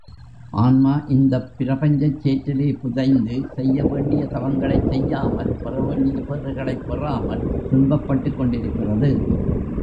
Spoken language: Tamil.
ஆன்மா இந்தப் பிரபஞ்சச் சேற்றிலே புதைந்து, செய்ய வேண்டிய தவங்களைச் செய்யாமல், பெறவேண்டிய பேறுகளைப் பெறாமல் துன்பப்பட்டுக் கொண்டிருக்கிறது.